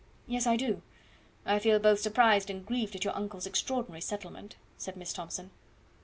"Yes, I do. I feel both surprised and grieved at your uncle's extraordinary settlement," said Miss Thomson.